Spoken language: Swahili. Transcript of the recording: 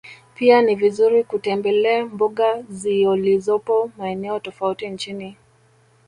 Pia ni vizuri kutembele mbuga ziolizopo maeneo tofauti nchini